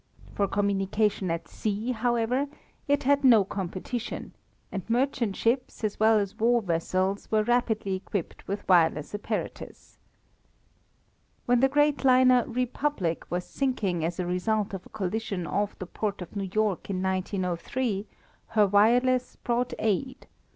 For communication at sea, however, it had no competition, and merchant ships as well as war vessels were rapidly equipped with wireless apparatus. When the great liner Republic was sinking as a result of a collision off the port of New York in 1903 her wireless brought aid.